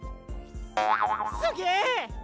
すげえ！